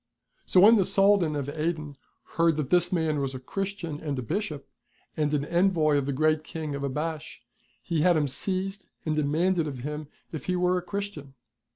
So when the Soldan of Aden heard that this man was a Christian and a Bishop, and an envoy of the Great King of Abash, he had him seized and demanded of him if he were a Christian